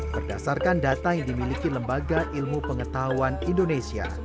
berdasarkan data yang dimiliki lembaga ilmu pengetahuan indonesia